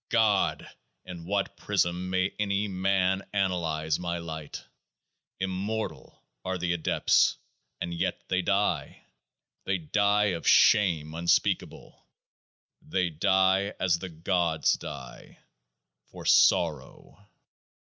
God ! in what prism may any man analyse my Light? Immortal are the adepts ; and yet they die — They die of SHAME unspeakable ; They die as the Gods die, for SORROW.